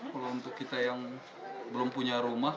kalau untuk kita yang belum punya rumah